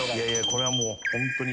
これはもうホントに。